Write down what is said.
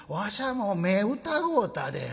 もう目ぇ疑うたで。